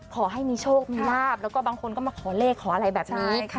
ขอให้มีโชคมีลาบแล้วก็บางคนก็มาขอเลขขออะไรแบบนี้